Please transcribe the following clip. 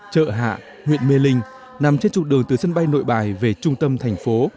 chợ hạ huyện mê linh nằm trên trục đường từ sân bay nội bài về trung tâm thành phố